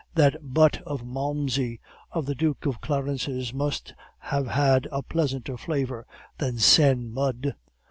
That butt of Malmsey of the Duke of Clarence's must have had a pleasanter flavor than Seine mud.